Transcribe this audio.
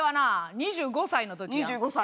２５歳の時。